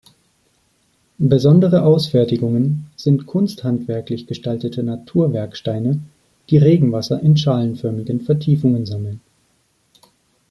Besondere Ausfertigungen sind kunsthandwerklich gestaltete Naturwerksteine, die Regenwasser in schalenförmigen Vertiefungen sammeln.